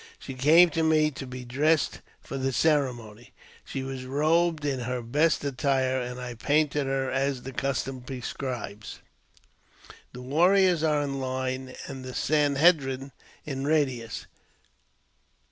She came to me to be dressed for the ceremony ; she was robed in her best attire, and I painted her as the cus , torn prescribes. : The warriors are in line, and the Sanhedrim in readiness.